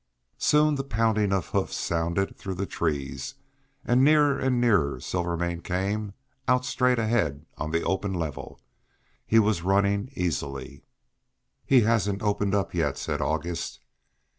Soon the pounding of hoofs sounded through the trees nearer and nearer. Silvermane came out straight ahead on the open level. He was running easily. "He hasn't opened up yet," said August.